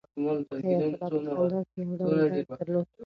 حیات الله په خندا کې یو ډول درد درلود.